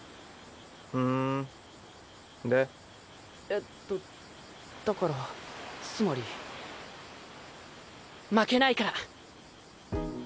えっとだからつまり負けないから！